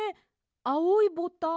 あおいボタン。